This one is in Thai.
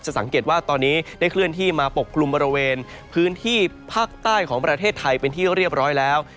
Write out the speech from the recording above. สังเกตว่าตอนนี้ได้เคลื่อนที่มาปกกลุ่มบริเวณพื้นที่ภาคใต้ของประเทศไทยเป็นที่เรียบร้อยแล้ว